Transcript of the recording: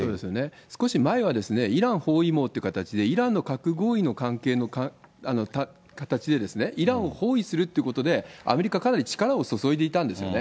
少し前は、イラン包囲網という形で、イランの核合意の関係の形でですね、イランを包囲するってことでアメリカ、かなり力を注いでいたんですよね。